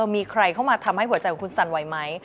มีใครเข้ามาทำให้หัวใจของคุณสั่นไหวไหม